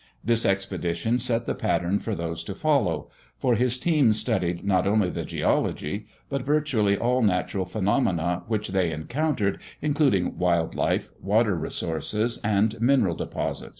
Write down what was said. This expedition set the pattern for those to follow, for his team studied not only the geology, but virtually all natural phenomena which they encountered, including wildlife, water resources, and mineral deposits.